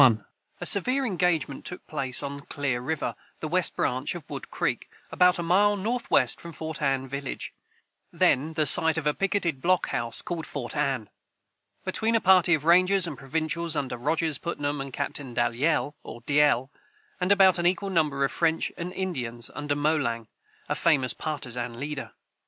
[Footnote 55: A severe engagement took place on Clear river, the west branch of Wood creek, about a mile northwest from Fort Anne village (then the site of a picketed blockhouse, called Fort Anne), between a party of rangers and provincials under Rogers, Putnam, and Captain Dalyell, or D'Ell, and about an equal number of French and Indians under Molang, a famous partisan leader.